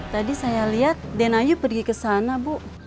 tadi saya lihat denayu pergi ke sana bu